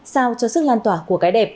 sao cho sức lan tỏa của cái đẹp